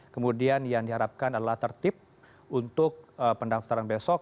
kemudian yang diharapkan adalah tertib untuk pendaftaran besok